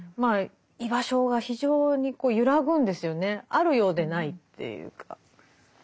あるようでないっていうか。